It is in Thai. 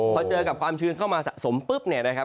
พอเจอกับความชื้นเข้ามาสะสมปุ๊บเนี่ยนะครับ